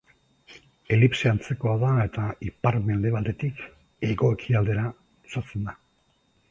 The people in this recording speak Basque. Elipse antzekoa da eta ipar-mendebaldetik hego-ekialdera luzatzen da.